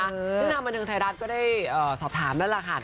นี่นามาถึงไทยรัฐก็ได้สอบถามนั่นแหละค่ะ